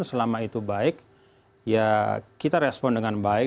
selama itu baik ya kita respon dengan baik